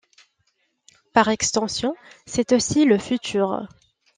Par extension, c'est aussi le futur.